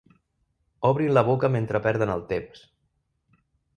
Obrin la boca mentre perden el temps.